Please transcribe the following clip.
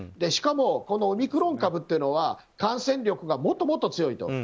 しかも、オミクロン株というのは感染力がもっともっと強いと。